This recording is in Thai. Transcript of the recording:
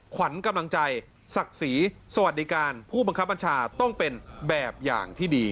ขวัญกำลังใจศักดิ์ศรีสวัสดิการผู้บังคับบัญชาต้องเป็นแบบอย่างที่ดี